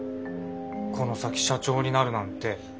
この先社長になるなんて中村さん